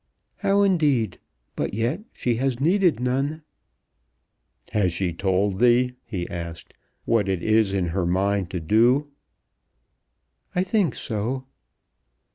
"How, indeed? But yet she has needed none." "Has she told thee," he asked, "what it is in her mind to do?" "I think so."